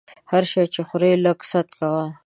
هر شی چې خورې لږ ست کوه!